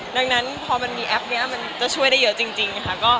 ดังนั้นพอมันมีแอปนี้มันจะช่วยได้เยอะจริงค่ะ